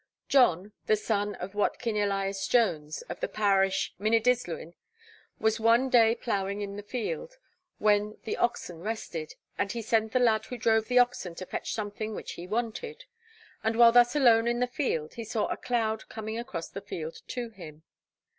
John, the son of Watkin Elias Jones, of the parish of Mynyddyslwyn, was one day ploughing in the field, when the oxen rested, and he sent the lad who drove the oxen, to fetch something which he wanted; and while thus alone in the field, he saw a cloud coming across the field to him.